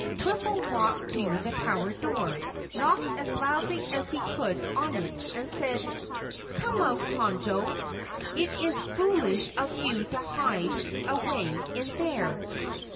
Twiffle walked to the tower door, knocked as loudly as he could on it, and said: "Come out, Conjo. It is foolish of you to hide away in there.